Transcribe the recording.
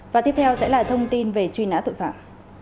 và tiếp theo sẽ là thông tin về truy nã tội phạm